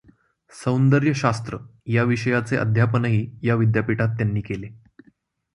सौंदर्यशास्त्र या विषयाचे अध्यापनही या विद्यापीठात त्यांनी केले.